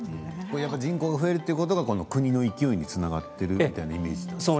人口が増えるということが国の勢いにつながっているみたいなイメージですか。